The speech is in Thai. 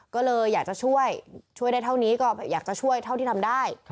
ก็เลยอยากจะช่วยช่วยได้เท่านี้ก็อยากจะช่วยเท่าที่ทำได้